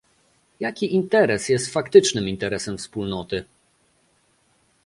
Jaki interes jest faktycznym interesem Wspólnoty?